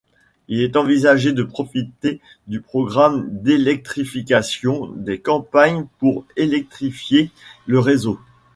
Il est envisagé de profiter du programme d'électrification des campagnes pour électrifier le réseau.